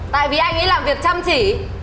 tại vì anh ấy làm việc chăm chỉ